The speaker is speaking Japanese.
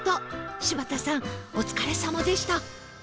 柴田さんお疲れさまでした